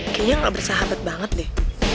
kayaknya gak bersahabat banget deh